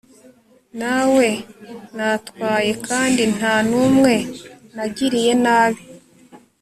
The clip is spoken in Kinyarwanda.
nawe natwaye kandi nta n umwe nagiriye nabi